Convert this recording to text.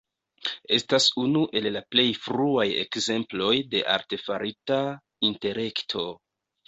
Estas unu el la plej fruaj ekzemploj de Artefarita intelekto.